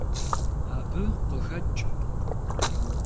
Абы къыхэкӀ.